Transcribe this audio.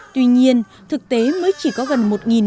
tuy nhiên thực tế mới chỉ có gần